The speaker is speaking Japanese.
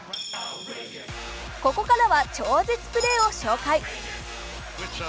ここからは超絶プレーを紹介。